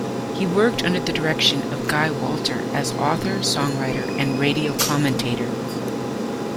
He worked under the direction of Guy Walter as author, songwriter and radio commentator.